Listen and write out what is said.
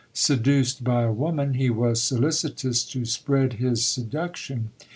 Seduced by a woman, he was solicitous to spread his seduction.